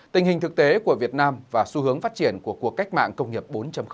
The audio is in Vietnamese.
tình hình thực tế của việt nam và xu hướng phát triển của cuộc cách mạng công nghiệp bốn